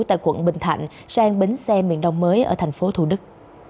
tại quận bình thạnh sang bến xe miền đông mới ở thành phố thủ đức